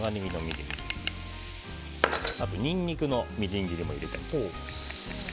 あと、ニンニクのみじん切りも入れていきます。